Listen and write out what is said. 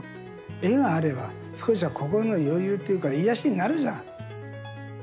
絵があれば少しは心の余裕っていうか癒やしになるじゃん。